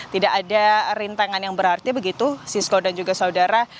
tidak ada rintangan yang berarti begitu siswa dan juga saudara